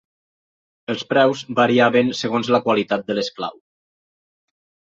Els preus variaven segons la qualitat de l'esclau.